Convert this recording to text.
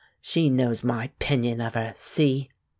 She knows my 'pinion of her see?"